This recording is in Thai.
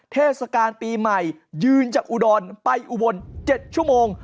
เทศกาลปีใหม่ยืนจากอุดรไปอุบล๗ชั่วโมง